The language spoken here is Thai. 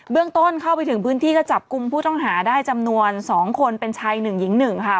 เรื่องต้นเข้าไปถึงพื้นที่ก็จับกลุ่มผู้ต้องหาได้จำนวน๒คนเป็นชาย๑หญิง๑ค่ะ